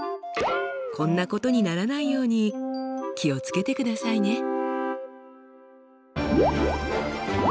こんなことにならないように気を付けてくださいね！